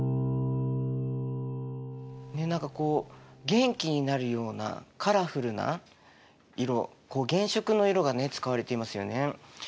何かこう元気になるようなカラフルな色原色の色がね使われていますよね。